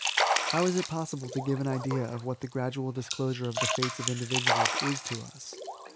How is it possible to give an idea of what the gradual disclosure of the fates of individuals is to us